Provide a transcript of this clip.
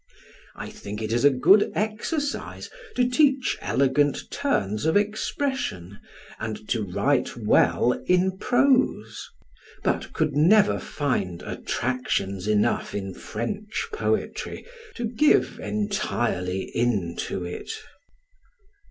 I think it is a good exercise to teach elegant turns of expression, and to write well in prose, but could never find attractions enough in French poetry to give entirely in to it.